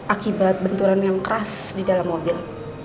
akibat benturan yang keras di dalam mobil